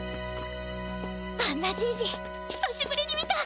あんなじいじひさしぶりに見た！